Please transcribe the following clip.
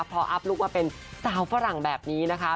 พออัพลูกมาเป็นสาวฝรั่งแบบนี้นะคะ